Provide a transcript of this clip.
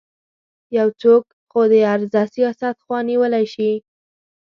یو څوک د خودغرضه سیاست خوا نیولی شي.